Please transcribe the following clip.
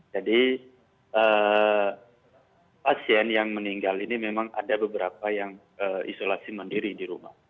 jadi pasien yang meninggal ini memang ada beberapa yang isolasi mandiri di rumah